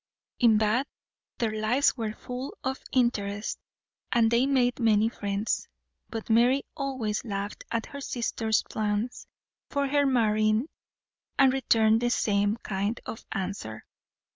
In Bath their lives were full of interest, and they made many friends; but Mary always laughed at her sister's plans for her marrying, and returned the same kind of answer.